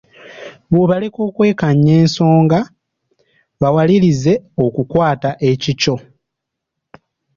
Bw'obaleka okwekkaanya ensonga, bawalirize okukwata ekikyo.